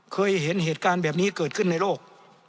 เคยเห็นเหตุการณ์แบบนี้เกิดขึ้นในโลก